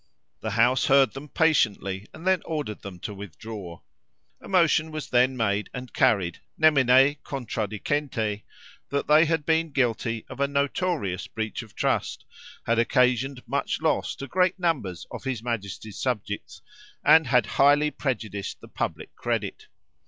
The House heard them patiently, and then ordered them to withdraw. A motion was then made, and carried nemine contradicente, that they had been guilty of a notorious breach of trust had occasioned much loss to great numbers of his majesty's subjects, and had highly prejudiced the public credit.